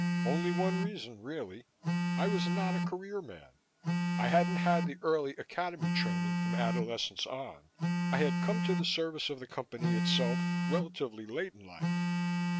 Only one reason, really. I was not a career man. I hadn't had the early academy training from adolescence on; I had come to the service of the Company itself relatively late in life.